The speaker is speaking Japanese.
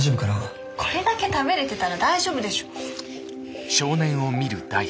これだけ食べれてたら大丈夫でしょ！